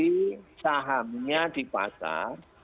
tapi sahamnya dipasar